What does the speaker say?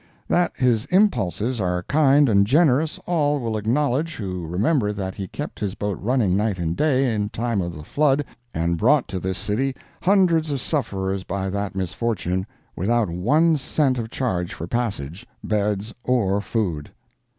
That his impulses are kind and generous all will acknowledge who remember that he kept his boat running night and day, in time of the flood, and brought to this city hundreds of sufferers by that misfortune, without one cent of charge for passage, beds or food.